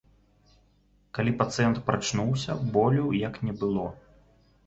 Калі пацыент прачнуўся, болю як не было.